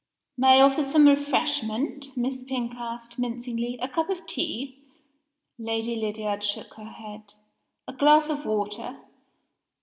"May I offer some refreshment?" Miss Pink asked, mincingly. "A cup of tea?" Lady Lydiard shook her head. "A glass of water?"